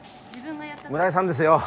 村井さんですよ